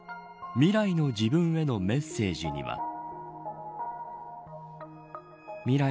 未来の自分へのメッセージには。